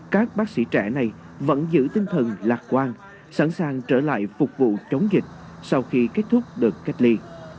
các bác sĩ trẻ này vẫn giữ tinh thần lạc quan sẵn sàng trở lại phục vụ chống dịch sau khi kết thúc đợt cách ly